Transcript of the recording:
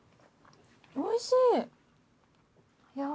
おいしい。